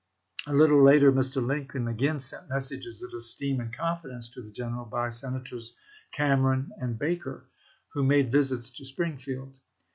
A little later Mr. Lincoln again sent messages of esteem and confidence to the general by Senators Cameron and Baker, who made visits to Spring field.